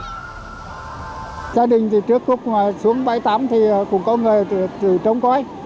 gia đình thì trước lúc xuống bãi tắm thì cũng có người trông coi